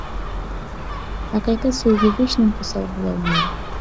ھەقىقىي سۆيگۈگە ھېچنېمە توسالغۇ بولالمايدۇ.